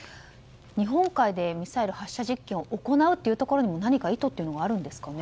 日本海でミサイル発射実験を行うということに何か意図があるんですかね。